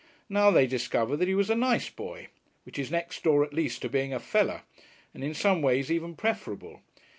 Now they discovered that he was a "nice boy," which is next door at least to being a "feller," and in some ways even preferable.